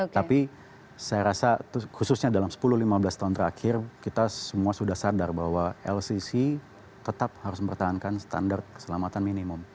tapi saya rasa khususnya dalam sepuluh lima belas tahun terakhir kita semua sudah sadar bahwa lcc tetap harus mempertahankan standar keselamatan minimum